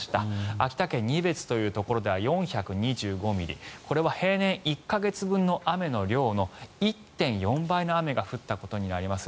秋田県仁別では４２５ミリこれは平年１か月分の雨の量の１．４倍の雨が降ったことになります。